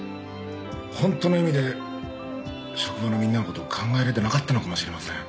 ホントの意味で職場のみんなのことを考えれてなかったのかもしれません。